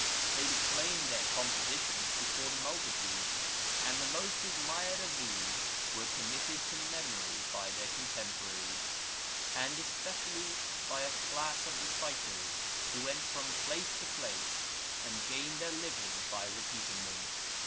They declaimed their compositions before the multitude, and the most admired of these were committed to memory by their contemporaries, and especially by a class of reciters who went from place to place and gained their living by repeating them.